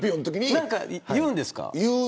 何か言うんですか。